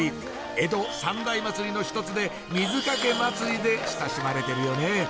江戸三大祭りの一つで水かけ祭りで親しまれてるよね